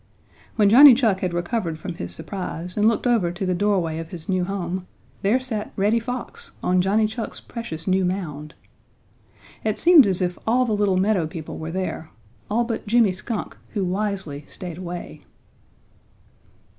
When Johnny Chuck had recovered from his surprise and looked over to the doorway of his new home there sat Reddy Fox on Johnny Chuck's precious new mound. It seemed as if all the little meadow people were there, all but Jimmy Skunk, who wisely stayed away.